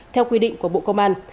theo quy định của bộ công an